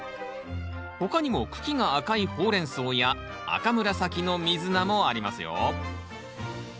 他にも茎が赤いホウレンソウや赤紫のミズナもありますよ。